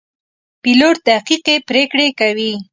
پیلوټ دقیقې پرېکړې کوي.